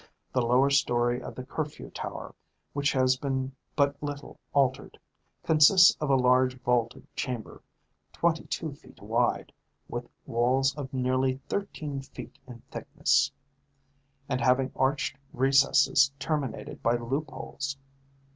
The lower storey of the Curfew Tower, which has been but little altered, consists of a large vaulted chamber, twenty two feet wide, with walls of nearly thirteen feet in thickness, and having arched recesses terminated by loopholes.